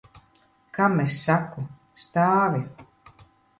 Kam es saku? Stāvi!